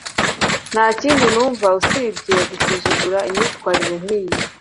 ntakindi numva usibye gusuzugura imyitwarire nkiyi